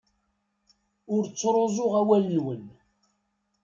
Ur ttruẓuɣ awal-nwen.